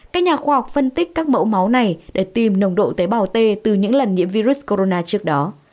các nhà khoa học phân tích các mẫu máu này để tìm nồng độ tế bào t từ những lần nhiễm virus corona trước đó